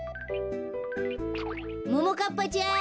ももかっぱちゃん。